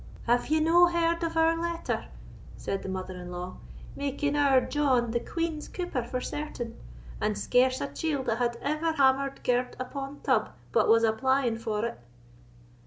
"Have ye no heard of our letter," said the mother in law, "making our John [Gibbie] the Queen's cooper for certain? and scarce a chield that had ever hammered gird upon tub but was applying for it?"